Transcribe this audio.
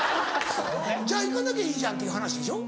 じゃあ行かなきゃいいじゃんっていう話でしょ？